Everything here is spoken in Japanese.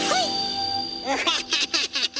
ウハハハハハ！